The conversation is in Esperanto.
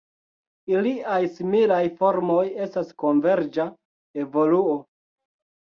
Iliaj similaj formoj estas konverĝa evoluo.